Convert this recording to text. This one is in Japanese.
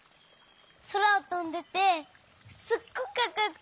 そらをとんでてすっごくかっこよくて。